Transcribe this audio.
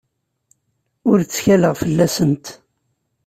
Ur ttkaleɣ fell-asent.